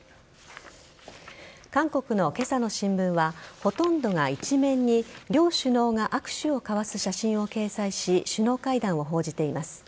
韓国の今朝の新聞はほとんどが一面に両首脳が握手を交わす写真を掲載し首脳会談を報じています。